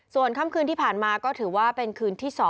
ส่วนค่ำคืนที่ผ่านมาก็ถือว่าเป็นคืนที่๒